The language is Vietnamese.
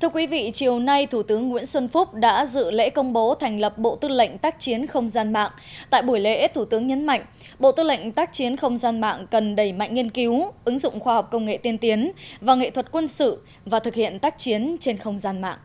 tại buổi lễ thủ tướng nhấn mạnh bộ tư lệnh tác chiến không gian mạng cần đầy mạnh nghiên cứu ứng dụng khoa học công nghệ tiên tiến và nghệ thuật quân sự và thực hiện tác chiến trên không gian mạng